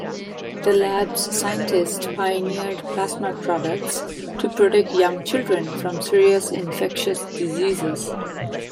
The lab's scientists pioneered plasma products to protect young children from serious infectious diseases.